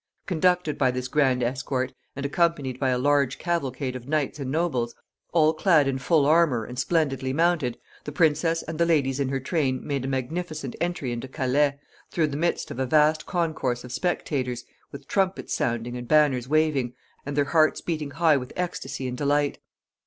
Conducted by this grand escort, and accompanied by a large cavalcade of knights and nobles, all clad in full armor, and splendidly mounted, the princess and the ladies in her train made a magnificent entry into Calais, through the midst of a vast concourse of spectators, with trumpets sounding and banners waving, and their hearts beating high with ecstasy and delight.